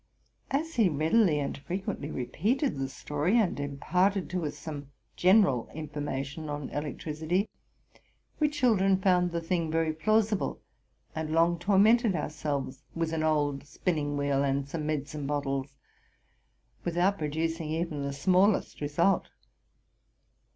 As he readily and frequently repeated the story, and imparted to us some general information on elec tricity, we children found the thing very plausible, and long tormented ourselves with an old spinning wheel and some medicine bottles, without producing even the smallest result.